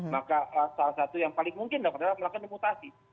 maka salah satu yang paling mungkin dong adalah melakukan mutasi